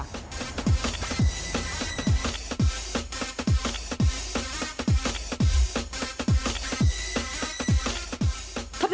ทดลองพลังของเจ้ากลางหันศีรฟ้ากันค่ะ